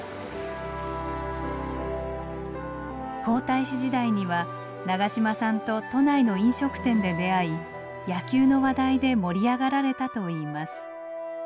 皇太子時代には長嶋さんと都内の飲食店で出会い野球の話題で盛り上がられたといいます。